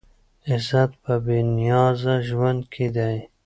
عزت په بې نیازه ژوند کې دی.